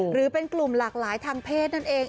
หรือเป็นกลุ่มหลากหลายทางเพศนั่นเอง